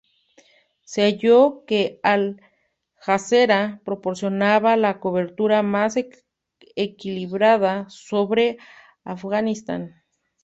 Se halló que Al Jazeera proporcionaba la cobertura más equilibrada sobre Afganistán.